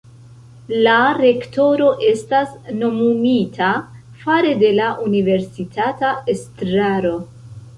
La rektoro estas nomumita fare de la universitata estraro.